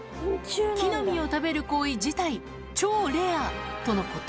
木の実を食べる行為自体、超レアとのこと。